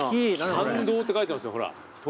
「参道」って書いてますよ。